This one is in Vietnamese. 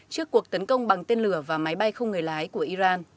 trước cuộc tấn công bằng tên lửa và máy bay không người lái của iran